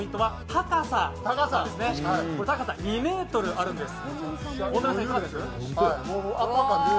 高さ２ｍあるんです。